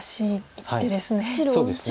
一手ですね。